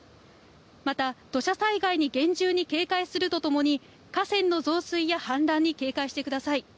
また、土砂災害に厳重に警戒するとともに、河川の増水や氾濫に警戒してください。